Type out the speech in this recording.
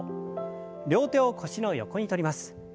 両手を腰の横にとります。